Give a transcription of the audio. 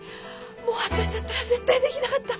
もう私だったら絶対できなかった。